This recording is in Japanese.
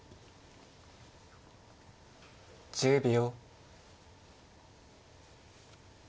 １０秒。